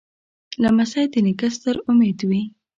لمسی د نیکه ستر امید وي.